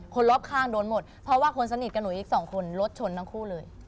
คนรอบข้างโดนหมดเพราะว่าคนสนิทกับหนูอีกสองคนรถชนทั้งคู่เลย